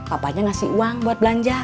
papanya ngasih uang buat belanja